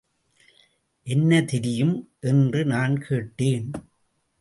என்ன தெரியும்? என்று நான் கேட்டேன்.